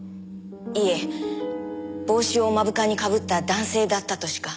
いえ帽子を目深に被った男性だったとしか。